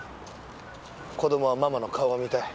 子供はママの顔が見たい。